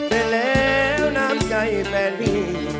แต่แล้วน้ำใจแฟนพี่